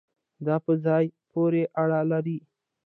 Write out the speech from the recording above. دا په ځای پورې اړه لري